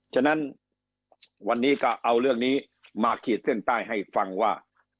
ฉะนั้นวันนี้ก็เอาเรื่องนี้มาขีดเส้นใต้ให้ฟังว่า